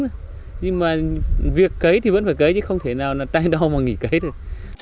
nhưng mà việc cấy thì vẫn phải cấy chứ không thể nào tay đo mà nghỉ cấy được